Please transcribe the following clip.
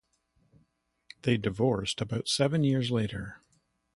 They divorced about seven years later.